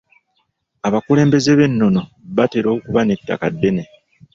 Abakulembeze b'ennono batera okuba n'ettaka ddene.